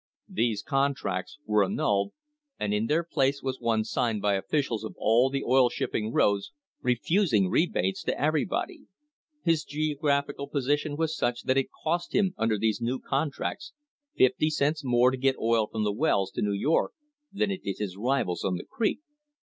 These contracts were I [ 99 ] THE HISTORY OF THE STANDARD OIL COMPANY annulled, and in their place was one signed by officials of all the oil shipping roads refusing rebates to everybody. His geo graphical position was such that it cost him under these new contracts fifty cents more to get oil from the wells to New York than it did his rivals on the creek.